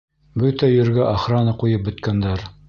Бөтә ергә охрана ҡуйып бөткәндәр!